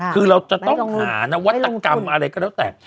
คือเราจะต้องหานวัตกรรมอะไรก็แล้วแต่